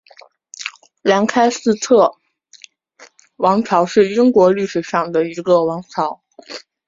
兰开斯特王朝是英国历史上的一个王朝。